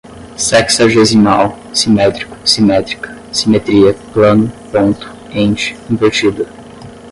sexagesimal, simétrico, simétrica, simetria, plano, ponto, ente, invertida